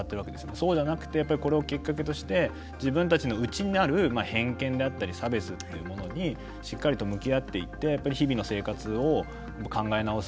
そうじゃなくてこれをきっかけとして自分たちの内なる偏見だったり差別っていうものにしっかりと向き合っていって日々の生活を考え直す。